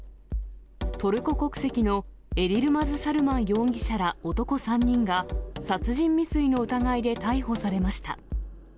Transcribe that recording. トルコ国籍のエリルマズ・サルマン容疑者ら男３人が、殺人未遂の疑いで逮捕されました。